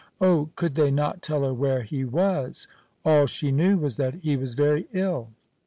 Oh, could they not tell her where he was? All she knew was that he was very ill.